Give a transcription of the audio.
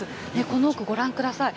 この奥、ご覧ください。